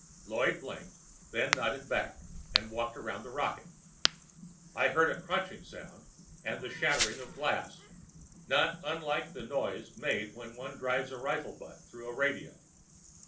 Lloyd blinked, then nodded back and walked around the rocket. I heard a crunching sound and the shattering of glass, not unlike the noise made when one drives a rifle butt through a radio.